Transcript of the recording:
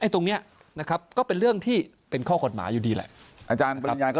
ตรงนี้นะครับก็เป็นเรื่องที่เป็นข้อกฎหมายอยู่ดีแหละ